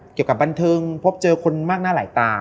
เกี่ยวกับบันเทิงพบเจอคนมากหน้าหลายตา